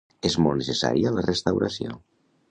És molt necessària la restauració.